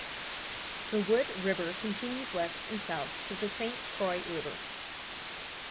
The Wood River continues west and south to the Saint Croix River.